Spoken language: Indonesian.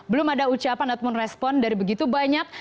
belum ada ucapan ataupun respon dari begitu banyak